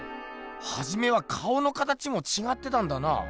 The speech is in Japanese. はじめは顔の形もちがってたんだな。